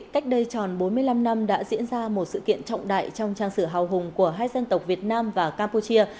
cách đây tròn bốn mươi năm năm đã diễn ra một sự kiện trọng đại trong trang sử hào hùng của hai dân tộc việt nam và campuchia